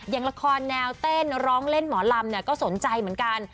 อย่างละครแนวเต้นร้องเล่นหมอลำเนี่ยก็สนใจเหมือนกัน